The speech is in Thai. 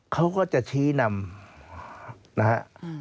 เขาก็จะชี้นำนะครับ